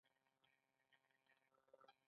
هغه په خپله څوکۍ باندې ورو ورو مخ او شا کیده